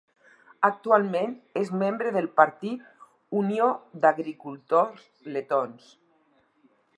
Actualment és membre del partit Unió d'Agricultors Letons.